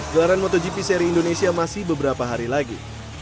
gelaran motogp seri indonesia masih beberapa hari lagi